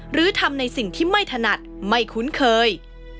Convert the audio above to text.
หรือทำในสิ่งที่ไม่ถนัดไม่คุ้นเคย